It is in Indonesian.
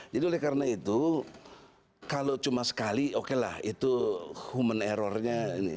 jadi oleh karena itu kalau cuma sekali oke lah itu human errornya